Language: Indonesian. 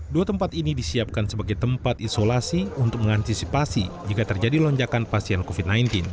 dua tempat ini disiapkan sebagai tempat isolasi untuk mengantisipasi jika terjadi lonjakan pasien covid sembilan belas